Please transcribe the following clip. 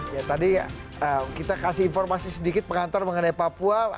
ya tadi kita kasih informasi sedikit pengantar mengenai papua